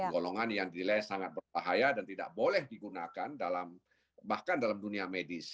golongan yang dirilis sangat berbahaya dan tidak boleh digunakan bahkan dalam dunia medis